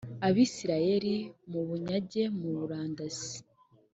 abisirayeli mu bunyage muri murandasi